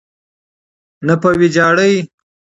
نه په ویجاړۍ.